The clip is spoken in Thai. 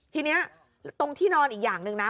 ทีนี้ตรงที่นอนอีกอย่างหนึ่งนะ